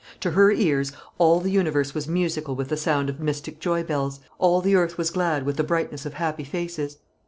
To her ears all the universe was musical with the sound of mystic joy bells; all the earth was glad with the brightness of happy faces.